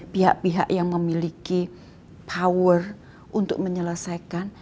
pihak pihak yang memiliki kekuatan untuk menyelesaikan